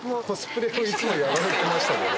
いつもやられてましたけど。